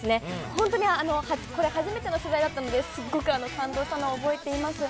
本当にこれ、初めての取材だったので、すごく感動したのを覚えています。